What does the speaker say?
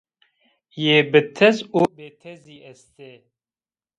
Yê bitez û bêtezî est ê